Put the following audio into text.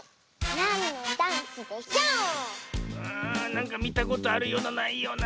なんかみたことあるようなないような。